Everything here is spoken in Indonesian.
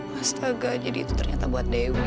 masa gaji di itu ternyata buat dewi